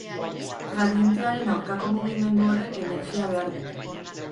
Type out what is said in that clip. Gradientearen aurkako mugimendu horrek energia behar du.